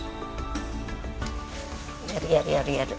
やるやるやるやる。